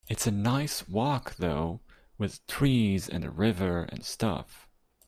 It's a nice walk though, with trees and a river and stuff.